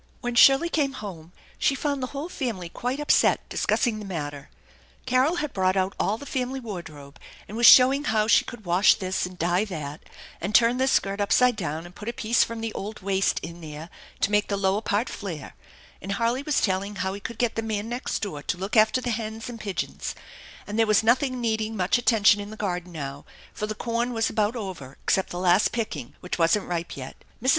When Shirley came home she found the whole family quite upset discussing the matter. Carol had brought out all the family wardrobe and was showing how she could wash this, and dye that, and turn this skirt upside down, and put a piece from the old waist in there to make the lower part flare; and Harley was telling how he could get the man next door to look after the hens and pigeons, and there was nothing needing much attention in the garden now, for the corn was about over except the last picking, which wasn't ripe yet. Mrs.